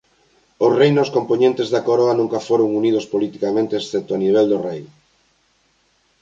Os reinos compoñentes da Coroa nunca foron unidos politicamente excepto a nivel do rei.